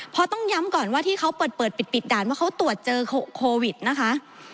เพราะต้องย้ำก่อนว่าที่เขาเปิดปิดด่านว่าเขาตรวจเจอโควิดนะคะ